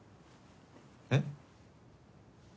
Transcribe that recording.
えっ？